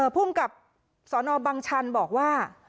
ภูมิกับสนบังชันบอกว่า